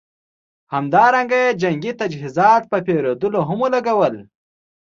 همدارنګه یې جنګي تجهیزاتو په پېرودلو هم ولګول.